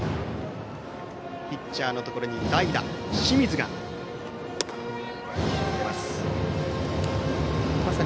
ピッチャーのところに代打、清水がいきます。